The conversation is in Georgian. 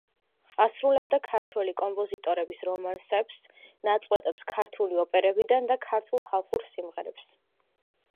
ასრულებდა ქართველი კომპოზიტორების რომანსებს, ნაწყვეტებს ქართული ოპერებიდან და ქართულ ხალხურ სიმღერებს.